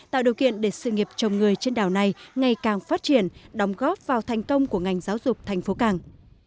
tạo điều kiện để sự nghiệp chồng người trên đảo này ngày càng phát triển đóng góp vào thành công của ngành giáo dục tp càng